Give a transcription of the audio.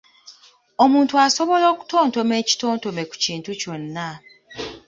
Omuntu asobola okutontoma ekitontome ku kintu kyonna.